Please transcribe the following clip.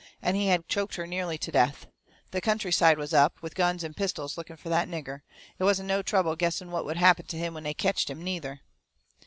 And he had choked her nearly to death. The country side was up, with guns and pistols looking fur that nigger. It wasn't no trouble guessing what would happen to him when they ketched him, neither.